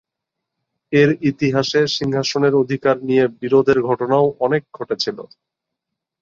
এর ইতিহাসে সিংহাসনের অধিকার নিয়ে বিরোধের ঘটনাও অনেক ঘটেছিল।